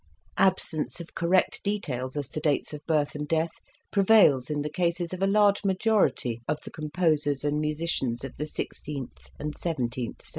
Absence of correct details as to dates of birth and death prevails in the cases of a large majority of the composers and musicians of the sixteenth and seventeenth centuries.